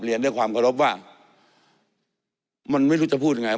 เรียนด้วยความกระลบว่ามันไม่รู้จะพูดยังไง